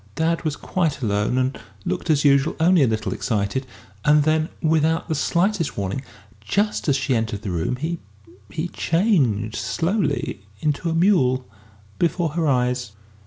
Dad was quite alone and looked as usual, only a little excited; and then, without the slightest warning, just as she entered the room, he he changed slowly into a mule before her eyes!